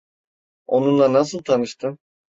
Onunla nasıl tanıştın?